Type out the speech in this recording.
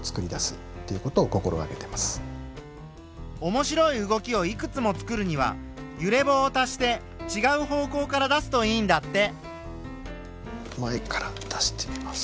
面白い動きをいくつもつくるには揺れ棒を足してちがう方向から出すといいんだって。